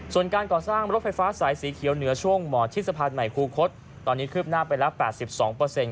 ส่วนการก่อสร้างรถไฟฟ้าสายสีเขียวเหนือช่วงหมอทิศภัณฑ์ใหม่คูคตตอนนี้ขึ้นหน้าไปแล้วแปดสิบสองเปอร์เซ็นต์